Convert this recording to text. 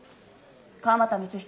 川俣光彦。